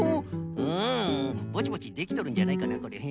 うんぼちぼちできとるんじゃないかなこれ。